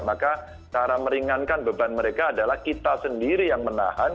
maka cara meringankan beban mereka adalah kita sendiri yang menahan